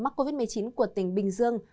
mắc covid một mươi chín của tỉnh bình dương